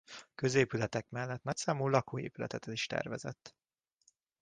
Középületek mellett nagyszámú lakóépületet is tervezett.